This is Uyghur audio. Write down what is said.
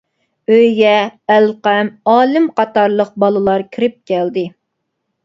ئۆيگە ئەلقەم، ئالىم قاتارلىق بالىلار كىرىپ كەلدى.